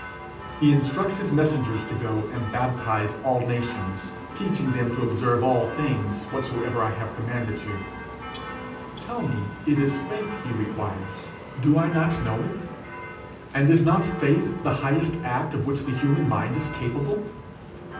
He instructs his messengers to go and baptize all nations, 'teaching them to observe all things whatsoever I have commanded you.' Tell me it is faith he requires: do I not know it? and is not faith the highest act of which the human mind is capable?